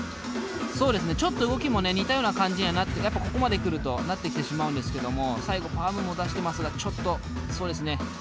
そうですねちょっと動きもね似たような感じにはやっぱここまで来るとなってきてしまうんですけども最後パワームーブも出してますがちょっとそうですね